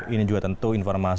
ini juga tentu informasinya